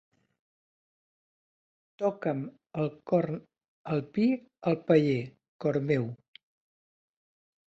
Toca'm el corn alpí al paller, cor meu.